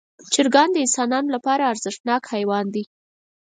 چرګان د انسانانو لپاره ارزښتناک حیوانات دي.